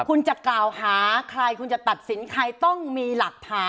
คุณจะกล่าวหาใครคุณจะตัดสินใครต้องมีหลักฐาน